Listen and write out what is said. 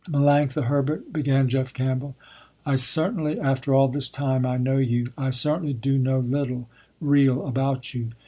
"Melanctha Herbert", began Jeff Campbell, "I certainly after all this time I know you, I certainly do know little, real about you.